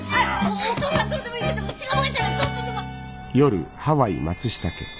お父さんどうでもいいけどうちが燃えたらどうするの！